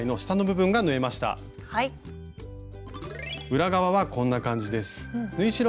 裏側はこんな感じです。